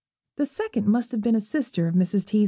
The second must have been a sister of 'Mr. T.'